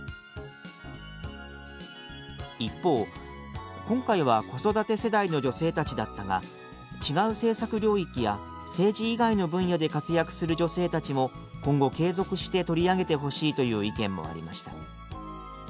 一方「今回は子育て世代の女性たちだったが違う政策領域や政治以外の分野で活躍する女性たちも今後継続して取り上げてほしい」という意見もありました。